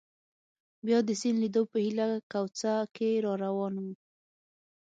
بیا د سیند لیدو په هیله کوڅه کې را روان وو.